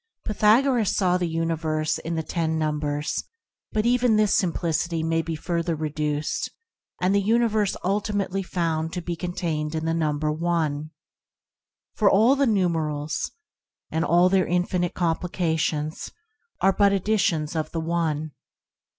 Pythagoras saw the universe in the ten numbers, but even this simplicity may be further reduced and the universe ultimately found to be contained in the number ONE, for all the numerals and all their infinite complications are but additions of the One.